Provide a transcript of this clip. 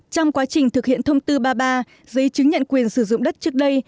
trong quá trình thực hiện thông tư ba mươi ba giấy chứng nhận quyền sử dụng đất trước đây